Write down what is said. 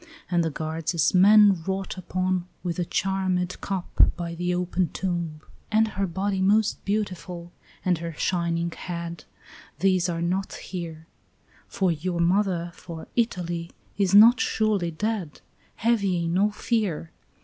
And the guards as men wrought upon with a charmèd cup, By the open tomb. "And her body most beautiful, and her shining head, These are not here; For your mother, for Italy, is not surely dead: Have ye no fear.